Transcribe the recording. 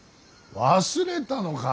忘れたのか。